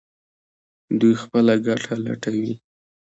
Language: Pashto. دوی خپله ګټه لټوي.